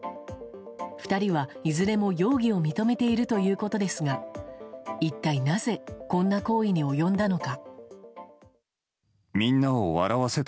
２人は、いずれも容疑を認めているということですが一体なぜこんな行為に及んだのか。